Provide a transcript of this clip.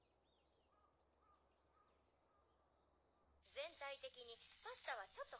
「全体的にパスタはちょっと」。